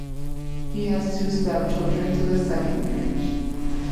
He has two stepchildren through the second marriage.